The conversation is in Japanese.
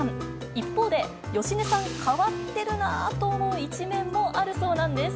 一方で、芳根さん、変わってるなと思う一面もあるそうなんです。